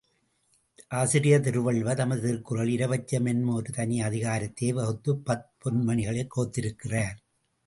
ஆசிரியர் திருவள்ளுவர் தமது திருக்குறளில் இரவச்சம் என ஒரு தனி அதிகாரத்தையே வகுத்துப் பத்துப் பொன்மணிகளைக் கோத்திருக்கிறார்.